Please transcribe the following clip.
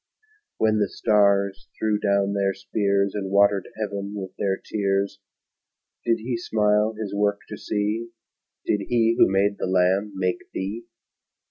When the stars threw down their spears, And watered heaven with their tears, Did He smile His work to see? Did He who made the lamb make thee?